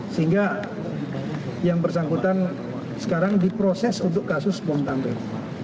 sehingga yang bersangkutan sekarang diproses untuk kasus bom tamr